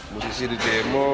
musisi di demo